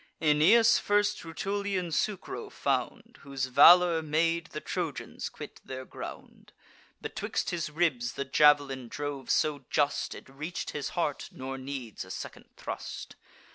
Aeneas first Rutulian Sucro found, Whose valour made the Trojans quit their ground; Betwixt his ribs the jav'lin drove so just, It reach'd his heart, nor needs a second thrust.